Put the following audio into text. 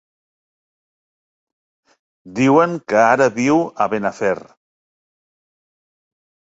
Diuen que ara viu a Benafer.